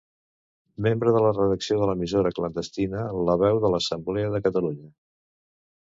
Membre de la redacció de l'emissora clandestina La veu de l'Assemblea de Catalunya.